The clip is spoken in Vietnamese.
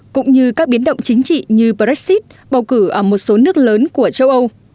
cũng như các biến động chính trị như brexit bầu cử ở một số nước lớn của châu âu